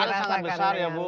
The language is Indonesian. yang sangat besar ya bu